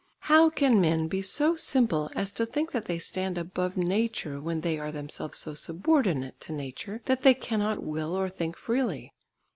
How can men be so simple as to think that they stand above nature when they are themselves so subordinate to nature that they cannot will or think freely?